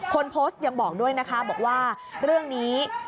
คนโพสต์ยังบอกด้วยนะคะบอกว่าเรื่องนี้